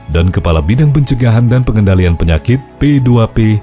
dan kepala bidang pencegahan dan pengendalian penyakit p dua p